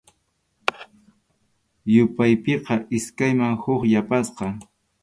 Yupaypiqa iskayman huk yapasqa.